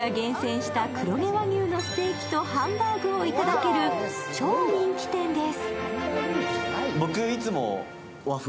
熟練の職人が厳選した黒毛和牛のステーキとハンバーグを頂ける超人気店です。